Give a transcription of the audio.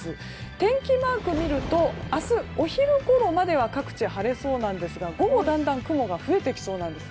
天気マークを見ると明日、お昼ごろまでは各地晴れそうなんですが午後だんだん雲が増えてきそうです。